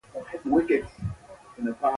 په خپل بدن او جامو ځانګړی پام ساتي.